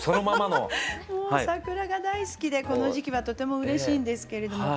もう桜が大好きでこの時期はとてもうれしいんですけれども。